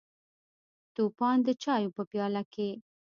توپان د چایو په پیاله کې: